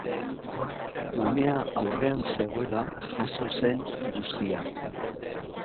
Umea aurrean zegoela jazo zen guztia.